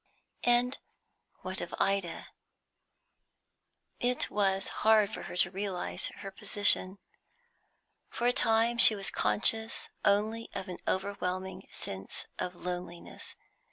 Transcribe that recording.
And what of Ida? It was hard for her to realise her position; for a time she was conscious only of an overwhelming sense of loneliness.